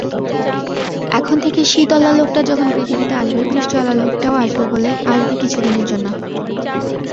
এখন থেকে শীতঅলা লোকটা যখন পৃথিবীতে আসবে, বৃষ্টিঅলা লোকটাও আসবে কিছুদিনের জন্য।